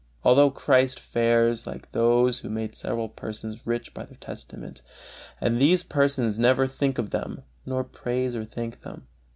Although Christ often fares like those who make several persons rich by their testament, and these persons never think of them, nor praise or thank them.